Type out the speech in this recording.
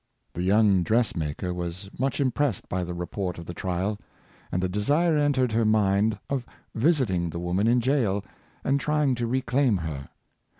The young dress maker was much im pressed by the report of the trial, and the desire entered her mind of visiting the woman in jail and trying to re claim her.